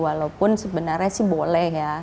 walaupun sebenarnya sih boleh ya